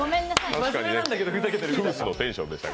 真面目なんだけど、ふざけているような。